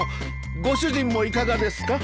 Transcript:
ご主人もいかがですか？